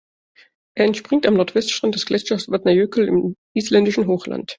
Er entspringt am Nordwestrand des Gletschers Vatnajökull im Isländischen Hochland.